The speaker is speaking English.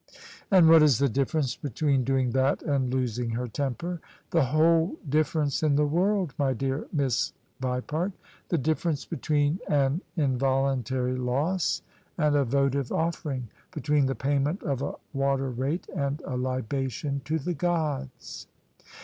" And what is the difference between doing that and los ing her temper?" "The whole difference in the world, my dear Miss Vipart: the difference between an involuntary loss and a votive offering: between the payment of a water rate and a libation to the gods."